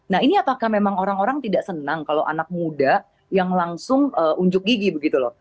nah ini apakah memang orang orang tidak senang kalau anak muda yang langsung unjuk gigi begitu loh